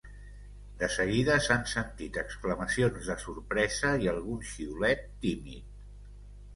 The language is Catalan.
De seguida s’han sentit exclamacions de sorpresa i algun xiulet tímid.